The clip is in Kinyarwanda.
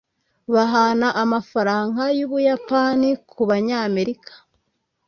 bahana amafaranga yubuyapani kubanyamerika